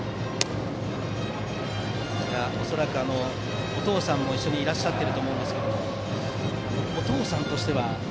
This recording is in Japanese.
恐らく、お父さんも一緒にいらっしゃったと思いますがお父さんとしては。